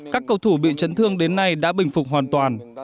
các cầu thủ bị chấn thương đến nay đã bình phục hoàn toàn